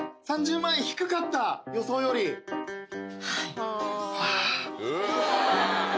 ３０万円低かった予想よりはぁ